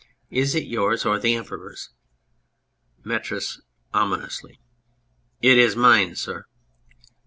Is it yours or the Emperor's ? METRIS (ominously). It is mine, sir.